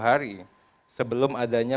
hari sebelum adanya